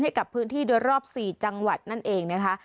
ให้กับพื้นที่โดยรอบ๔จังหวัดนั่นเองนะคะ